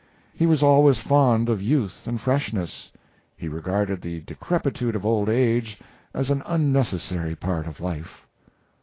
He was always fond of youth and freshness. He regarded the decrepitude of old age as an unnecessary part of life.